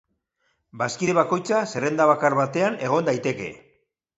Bazkide bakoitza zerrenda bakar batean egon daiteke.